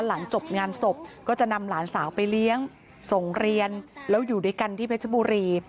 หลังจบงานศพก็จะนำหลานสาวไปเลี้ยงส่งเรียนแล้วอยู่ด้วยกันที่เพชรบุรี